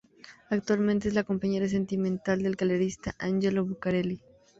Actualmente es la compañera sentimental del galerista Angelo Bucarelli.